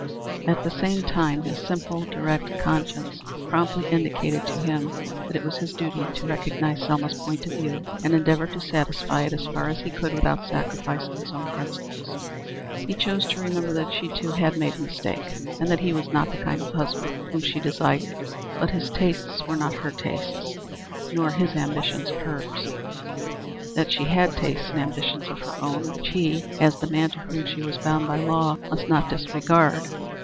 At the same time his simple, direct conscience promptly indicated to him that it was his duty to recognize Selma's point of view and endeavor to satisfy it as far as he could without sacrifice of his own principles. He chose to remember that she, too, had made a mistake, and that he was not the kind of husband whom she desired; that his tastes were not her tastes, nor his ambitions her's; that she had tastes and ambitions of her own which he, as the man to whom she was bound by the law, must not disregard.